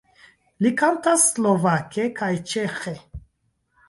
Li kantas slovake kaj ĉeĥe.